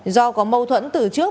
do có mâu thuẫn từ trước